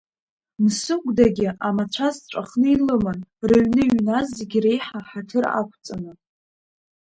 Мсыгәдагьы амацәаз ҵәахны илыман рыҩны иҩназ зегьы реиҳа ҳаҭыр ақәҵаны.